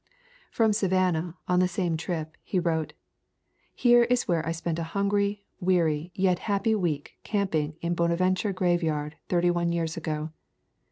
From Sa vannah, on the same trip, he wrote: "Here is where I spent a hungry, weary, yet happy week camping in Bonaventure graveyard thirty one years ago.